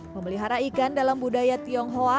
memelihara ikan dalam budaya tionghoa